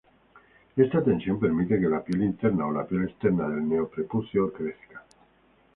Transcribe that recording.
Esta tensión permite que la piel interna o la piel externa del neo-prepucio crezca.